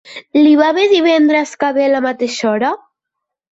Li va bé divendres que ve a la mateixa hora?